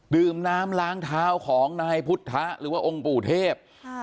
ดื่มน้ำล้างเท้าของนายพุทธะหรือว่าองค์ปู่เทพ